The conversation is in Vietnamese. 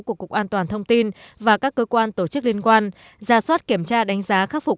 của cục an toàn thông tin và các cơ quan tổ chức liên quan ra soát kiểm tra đánh giá khắc phục